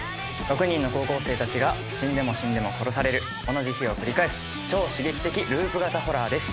６人の高校生たちが死んでも死んでも殺される同じ日を繰り返す超刺激的ループ型ホラーです。